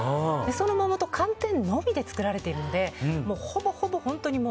その桃と寒天のみで作られているのでほぼほぼ本当に桃。